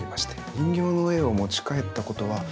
人形の絵を持ち帰ったことはないですか？